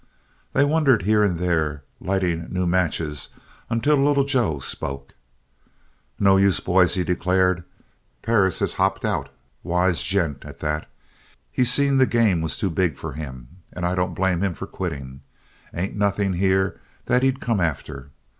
They wandered here and there, lighting new matches until Little Joe spoke. "No use, boys," he declared. "Perris has hopped out. Wise gent, at that. He seen the game was too big for him. And I don't blame him for quitting. Ain't nothing here that he'd come after.